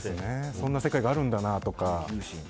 そんな世界があるんだなとか。